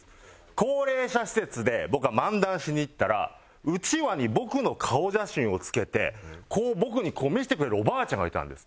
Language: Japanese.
高齢者施設で僕が漫談しに行ったらうちわに僕の顔写真を付けてこう僕に見せてくれるおばあちゃんがいたんです。